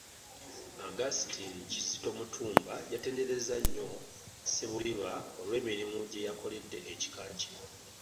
Augustine Kizito Mutumba, yatenderezza nnyo Ssebuliba olw'emirimu gyakoledde ekika kye.